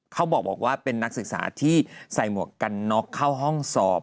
เขาบอกว่าเป็นนักศึกษาที่ใส่หมวกกันน็อกเข้าห้องสอบ